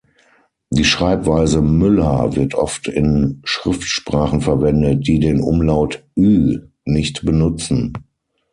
Die Schreibweise Mueller wird oft in Schriftsprachen verwendet, die den Umlaut „ü“ nicht benutzen.